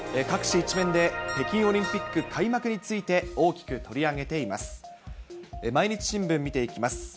各紙１面で北京オリンピック開幕について大きく取り上げています。